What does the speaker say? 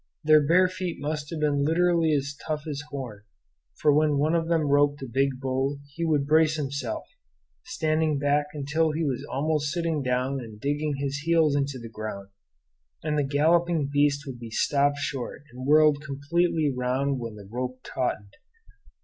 Their bare feet must have been literally as tough as horn; for when one of them roped a big bull he would brace himself, bending back until he was almost sitting down and digging his heels into the ground, and the galloping beast would be stopped short and whirled completely round when the rope tautened.